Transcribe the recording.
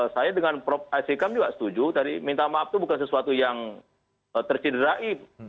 saya dengan prof aisyikam juga setuju tadi minta maaf itu bukan sesuatu yang tercederai